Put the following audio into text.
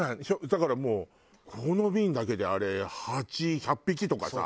だからもうこの瓶だけであれハチ１００匹とかさ。